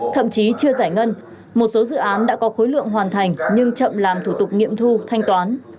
thậm chí chưa giải ngân một số dự án đã có khối lượng hoàn thành nhưng chậm làm thủ tục nghiệm thu thanh toán